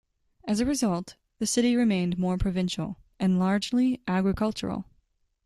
As a result, the city remained more provincial, and largely agricultural.